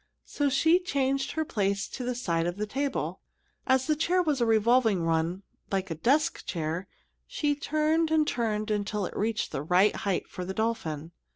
So she changed her place to the side of the table. As the chair was a revolving one, like a desk chair, she turned and turned it until it reached the right height for the dolphin.